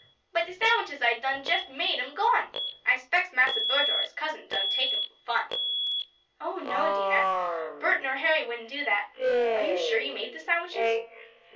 But de sandwiches I done jest made am gone. I s'pects Massa Bert or his cousin done take 'em fo' fun." "Oh, no, Dinah. Bert nor Harry wouldn't do that. Are you sure you made the sandwiches?"